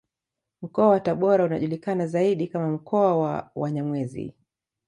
Mkoa wa Tabora unajulikana zaidi kama mkoa wa Wanyamwezi